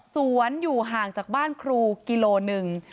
สวนอยู่ห่างจากบ้านครูกิโลหนึ่ง